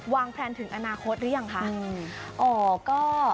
แพลนถึงอนาคตหรือยังคะ